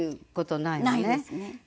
ないですね。